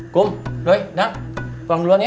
kum doi dang pulang duluan ya